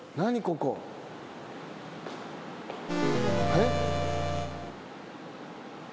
えっ。